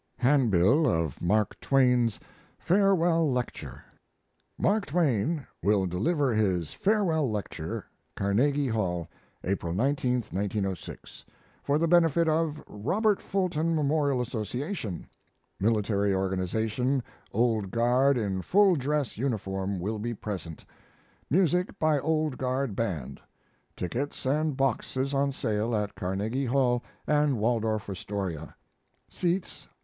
HANDBILL OF MARK TWAIN'S "FAREWELL LECTURE": MARK TWAIN Will Deliver His Farewell Lecture CARNEGIE HALL. APRIL 19TH, 1906 FOR THE BENEFIT OF Robert Fulton Memorial Association MILITARY ORGANIZATION OLD GUARD IN FULL DRESS UNIFORM WILL BE PRESENT MUSIC BY OLD GUARD BAND TICKETS AND BOXES ON SALE AT CARNEGIE HALL AND WALDORF ASTORIA SEATS $1.